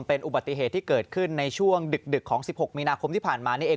เป็นอุบัติเหตุที่เกิดขึ้นในช่วงดึกของ๑๖มีนาคมที่ผ่านมานี่เอง